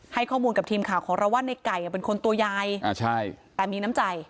ให้ข้อมูลกับทีมข่าวของเราว่าในไก่เป็นคนตัวใหญ่แต่มีน้ำใจ